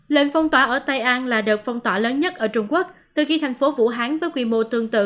lệnh phong tỏa ở tây an là đợt phong tỏa lớn nhất ở trung quốc từ khi thành phố vũ hán với quy mô tương tự